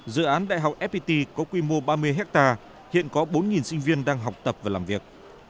dự án đại học fpt có quy mô ba mươi hectare hiện có bốn sinh viên đang học tập và làm việc